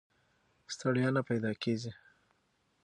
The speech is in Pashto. ستړیا نه پیدا کېږي.